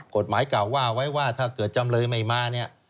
กฎหมายเก่าว่าไว้ว่าถ้าเกิดจำเลยไม่มาเนี่ย